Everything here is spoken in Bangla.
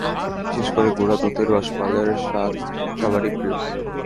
বিশেষ করে গুঁড়া দুধের রসমালাইয়ের স্বাদ সবারই প্রিয়।